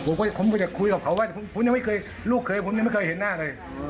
ผมก็จะคุยกับเขาว่าลูกเขยผมไม่เคยเห็นหน้าเลย